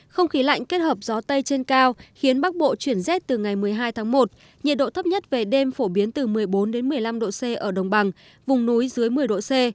không khí lạnh kết hợp gió tây trên cao khiến bắc bộ chuyển rét từ ngày một mươi hai tháng một nhiệt độ thấp nhất về đêm phổ biến từ một mươi bốn một mươi năm độ c ở đồng bằng vùng núi dưới một mươi độ c